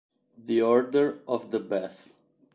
The Order of the Bath